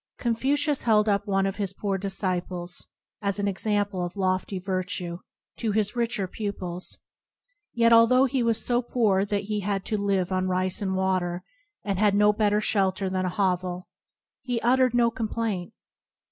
Confucius held up one of his poor disciples, Yen hwui by name, as an ex ample of lofty virtue to his richer pupils, yet "although he was so poor that he had to live on rice and water, and had no better shelter than a hovel, he uttered no com plaint.